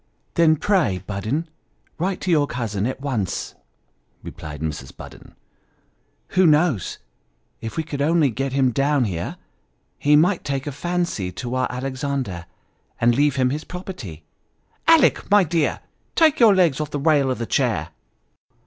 " Then, pray Budden write to your cousin at once," replied Mrs. Budden. " Who knows, if we could only get him down here, but he might take a fancy to our Alexander, and leave him his property ? Alick, my dear, take your legs off the rail of the chair